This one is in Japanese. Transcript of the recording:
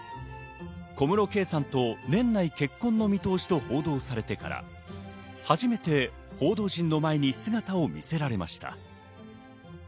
小室圭さんと年内結婚の見通しと報道されてから初めて報道陣の前に姿を見せられました。